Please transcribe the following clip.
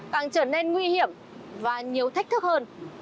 càng trở nên nguy hiểm và nhiều thách thức hơn